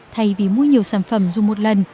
thay vì mua nhiều sản phẩm dùng một lần